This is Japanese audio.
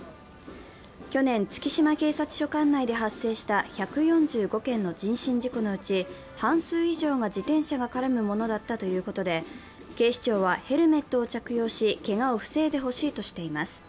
去年、月島警察署管内で発生した１４５件の人身事故のうち、半数以上が自転車が絡むものだったということで警視庁は、ヘルメットを着用し、けがを防いでほしいとしています。